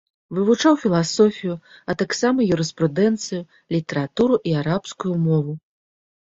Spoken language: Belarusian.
Вывучаў філасофію, а таксама юрыспрудэнцыю, літаратуру і арабскую мову.